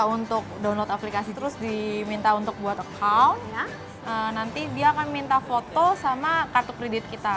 untuk download aplikasi terus diminta untuk buat account nanti dia akan minta foto sama kartu kredit kita